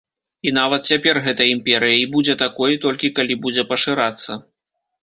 І нават цяпер гэта імперыя, і будзе такой, толькі калі будзе пашырацца.